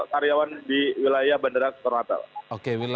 karyawan di wilayah bandara soekarno hatta